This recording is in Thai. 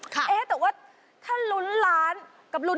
คาถาที่สำหรับคุณ